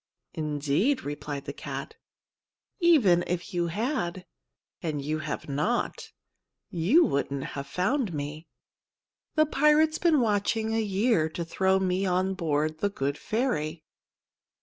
"Indeed," replied the cat, "even if you had, and you have not, you wouldn't have found me. The pirate's been watching a year to throw me on board The Good Ferry."